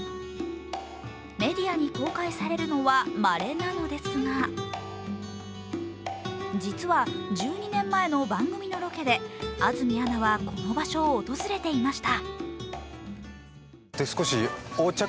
メディアに公開されるのはまれなのですが、実は１２年前の番組のロケで安住アナはこの場所を訪れていました。